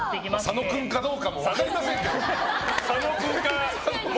佐野君かどうかも分かりませんけども。